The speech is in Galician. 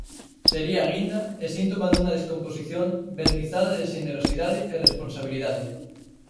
Sería a guinda, e síntoma dunha descomposición vernizada de xenerosidade e responsabilidade.